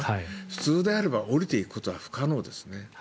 普通であれば降りていくことは不可能ですね。